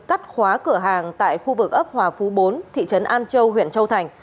cắt khóa cửa hàng tại khu vực ấp hòa phú bốn thị trấn an châu huyện châu thành